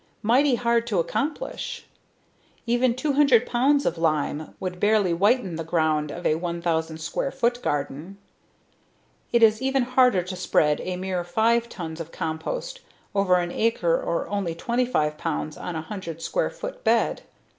Mighty hard to accomplish! Even 200 pounds of lime would barely whiten the ground of a 1,000 square foot garden. It is even harder to spread a mere 5 tons of compost over an acre or only 25 pounds on a 100 square foot bed.